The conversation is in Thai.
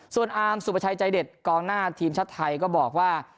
ส่วนอาร์มสุประชัยใจเด็ดกองหน้าทีมชาติไทยก็บอกว่า